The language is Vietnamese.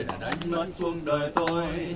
đã đánh mất cuồng đời tôi